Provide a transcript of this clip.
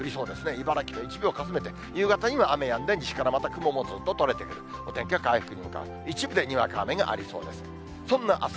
茨城の一部をかすめて、夕方には雨やんで、西からまた雲もすっと取れてくる、お天気は回復に向かう、一部でにわか雨がありそうです。